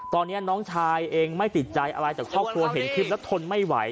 ตอนนี้น้องชายเองไม่ติดใจอะไรแต่ครอบครัวเห็นคลิปแล้วทนไม่ไหว